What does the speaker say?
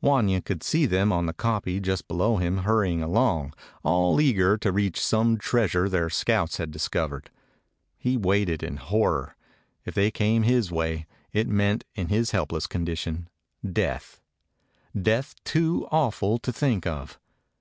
Wanya could see them on the kopje just below him hurrying along, all eager to reach some treasure their scouts had discovered. He waited in horror. If they came his way it meant, in his helpless condition, death; death too awful to think of.